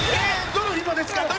どの紐ですか？」